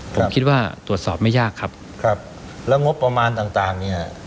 ผมคิดว่าตรวจสอบไม่ยากครับครับแล้วงบประมาณต่างต่างเนี่ย